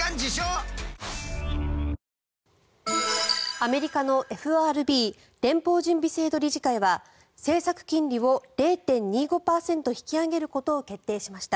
アメリカのＦＲＢ・連邦準備制度理事会は政策金利を０．２５％引き上げることを決定しました。